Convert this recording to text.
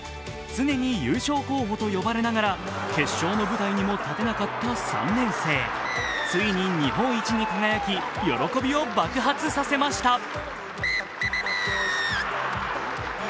常に優勝候補と呼ばれながら決勝の舞台にも立てなかった３年生ついに日本一に輝き、喜びを爆発させました。